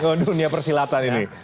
oh dunia persilatan ini